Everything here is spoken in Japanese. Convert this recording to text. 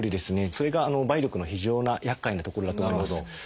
それが梅毒の非常にやっかいなところだと思います。